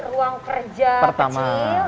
ruang kerja pertama